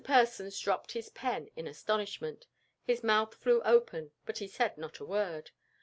Persons dropped his pen in astonishment. His mouth flew open, but he said not a word.